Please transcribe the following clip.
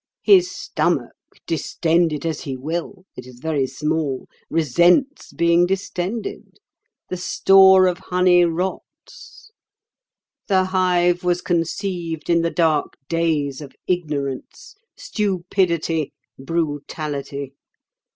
His stomach, distend it as he will—it is very small—resents being distended. The store of honey rots. The hive was conceived in the dark days of ignorance, stupidity, brutality.